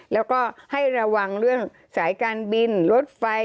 แล้วก็ให้ระวังเรื่องสายการบินรถไฟ